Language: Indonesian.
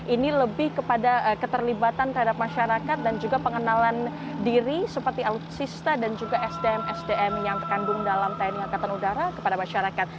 ini lebih kepada keterlibatan terhadap masyarakat dan juga pengenalan diri seperti alutsista dan juga sdm sdm yang terkandung dalam tni angkatan udara kepada masyarakat